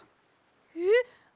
えっ！？